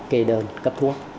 kê đơn cấp thuốc